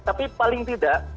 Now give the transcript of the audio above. tapi paling tidak